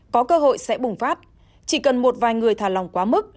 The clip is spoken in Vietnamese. có cơ hội sẽ bùng phát chỉ cần một vài người thả lòng quá mức